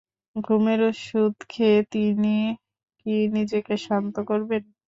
ঘুমের ওষুধ খেয়ে তিনি কি নিজেকে শান্ত করবেন?